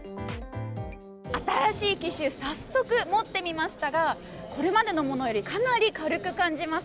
新しい機種早速持ってみましたがこれまでのものよりかなり軽く感じます。